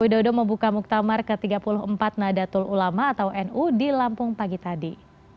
widodo membuka muktamar ke tiga puluh empat nadatul ulama atau nu di lampung pagi tadi